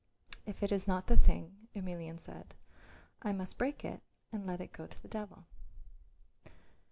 "If it is not the thing," Emelian said, "I must break it and let it go to the devil."